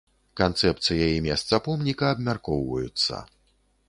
Канцэпцыя і месца помніка абмяркоўваюцца.